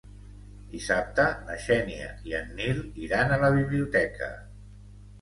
Dissabte na Xènia i en Nil iran a la biblioteca.